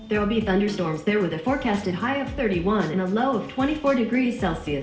ada tunduk terang di sana dengan keterangkatan tinggi tiga puluh satu dan rendah dua puluh empat derajat celcius